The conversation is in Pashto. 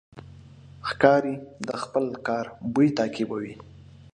ښکاري د خپل ښکار بوی تعقیبوي.